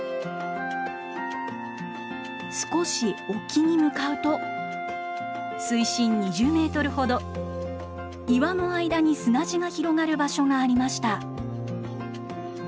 少し沖に向かうと水深２０メートルほど岩の間に砂地が広がる場所がありました。